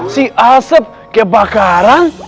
si asep kebakaran